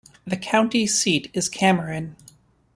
The county seat is Cameron.